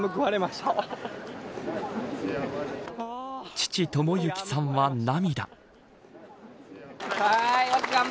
父、知幸さんは涙。